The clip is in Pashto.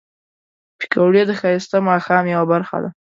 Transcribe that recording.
پکورې د ښایسته ماښام یو برخه ده